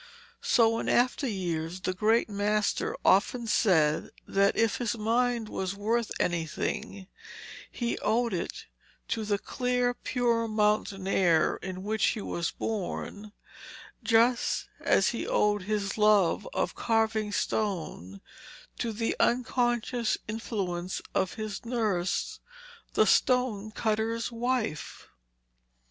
So in after years the great master often said that if his mind was worth anything, he owed it to the clear pure mountain air in which he was born, just as he owed his love of carving stone to the unconscious influence of his nurse, the stone cutter's wife.